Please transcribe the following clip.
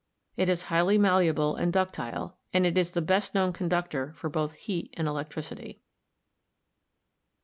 It is highly malleable and ductile, and is the best known conductor for both heat and electricity.